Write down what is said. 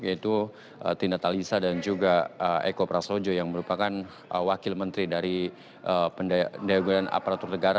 yaitu tina talisa dan juga eko prasojo yang merupakan wakil menteri dari aparatur negara